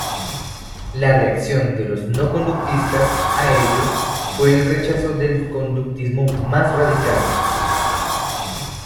La reacción de los no-conductistas a ello fue el rechazo del conductismo más radical.